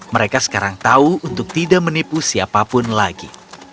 mereka sekarang tahu untuk tidak menipu siapapun lagi